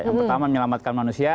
yang pertama menyelamatkan manusia